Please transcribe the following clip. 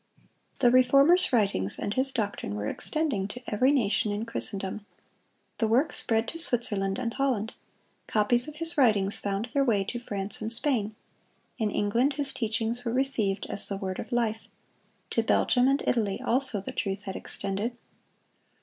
The Reformer's writings and his doctrine were extending to every nation in Christendom. The work spread to Switzerland and Holland. Copies of his writings found their way to France and Spain. In England his teachings were received as the word of life. To Belgium and Italy also the truth had extended.